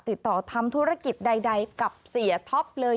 ติดต่อทำธุรกิจใดกับเสียท็อปเลย